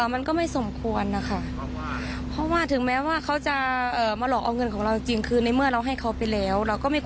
มันก็ไม่สมควรนะคะ